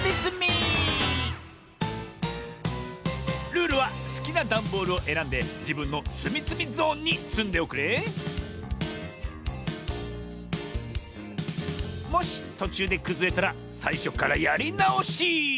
ルールはすきなダンボールをえらんでじぶんのつみつみゾーンにつんでおくれもしとちゅうでくずれたらさいしょからやりなおし。